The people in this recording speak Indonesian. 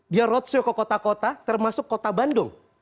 dia roadshow ke kota kota termasuk kota bandung